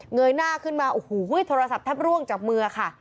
ยหน้าขึ้นมาโอ้โหโทรศัพท์แทบร่วงจากมือค่ะ